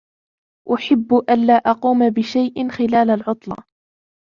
أُحِبُّ أَﻻّ أَقومَ بِشَيْءٍ خِﻻلَ العُطْلةِ